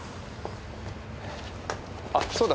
あっそうだ。